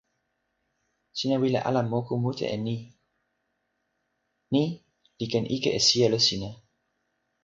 sina wile ala moku mute e ni. ni li ken ike e sijelo sina.